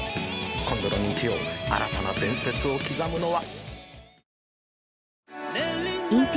今度の日曜新たな伝説を刻むのは。